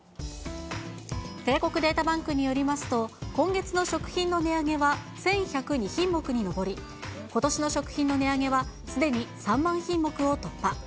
帝国データバンクによりますと、今月の食品の値上げは１１０２品目に上り、ことしの食品の値上げはすでに３万品目を突破。